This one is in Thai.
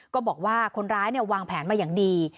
ก็บอกว่าคนร้ายวางแผนมาอย่างดี